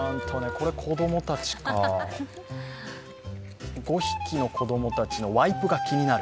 子供たちか、５匹の子供たちのワイプが気になる。